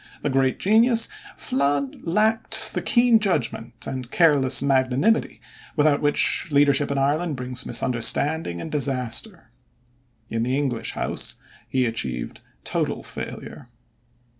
A great genius, Flood lacked the keen judgment and careless magnanimity without which leadership in Ireland brings misunderstanding and disaster. In the English House he achieved total failure.